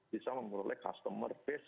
bisa memperoleh customer base